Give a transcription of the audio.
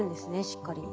しっかり。